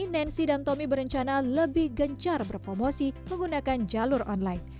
nancy dan tommy berencana lebih gencar berpromosi menggunakan jalur online